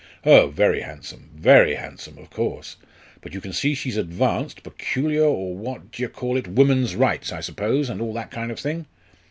Oh, very handsome very handsome of course. But you can see she's advanced peculiar or what d'ye call it? woman's rights, I suppose, and all that kind of thing?